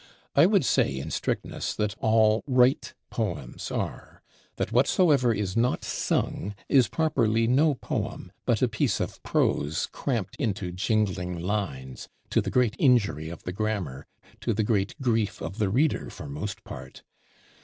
I would say, in strictness, that all right Poems are; that whatsoever is not sung is properly no Poem, but a piece of Prose cramped into jingling lines, to the great injury of the grammar, to the great grief of the reader, for most part!